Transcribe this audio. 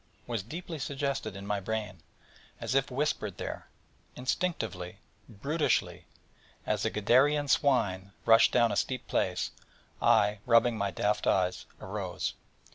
_ was deeply suggested in my brain, as if whispered there. Instinctively, brutishly, as the Gadarean swine rushed down a steep place, I, rubbing my daft eyes, arose.